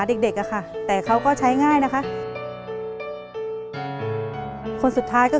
เปลี่ยนเพลงเพลงเก่งของคุณและข้ามผิดได้๑คำ